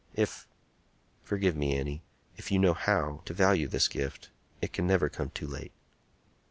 If,—forgive me, Annie,—if you know how—to value this gift, it can never come too late."